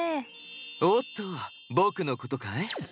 おっと僕のことかい？